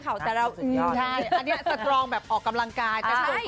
อันนี้สตรองแบบออกกำลังกาย